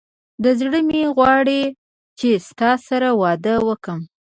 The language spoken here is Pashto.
دا زړه مي غواړي چي ستا سره واده وکم